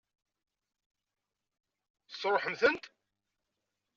Tesṛuḥem-tent?